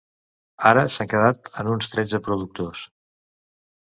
Ara, s’han quedat en uns tretze productors.